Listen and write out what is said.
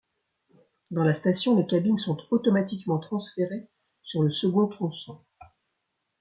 Dans la station, les cabines sont automatiquement transférées sur le second tronçon.